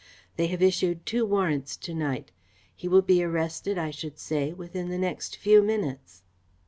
They have issued two warrants to night. He will be arrested, I should say, within the next few minutes."